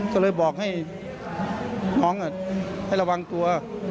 ก็เลยบอกให้น้องให้ระวังตัว